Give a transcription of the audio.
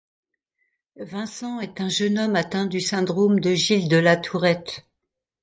Vincent est un jeune homme atteint du syndrome de Gilles de La Tourette.